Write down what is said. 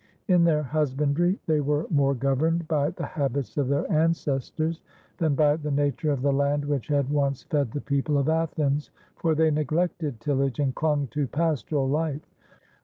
In their husbandry they were more governed by the habits of their ancestors than by the nature of the land which had once fed the people of Athens, for they neglected tillage and clung to pastoral life.